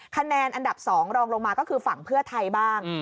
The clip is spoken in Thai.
คะแนนอันดับ๒รองลงมาก็คือฝั่งเพื่อไทยบ้าง